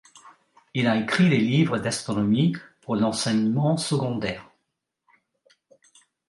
Il a écrit des livres d'astronomie pour l'enseignement secondaire.